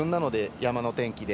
山の天気で。